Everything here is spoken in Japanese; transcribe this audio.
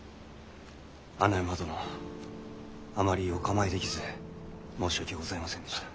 穴山殿あまりお構いできず申し訳ございませんでした。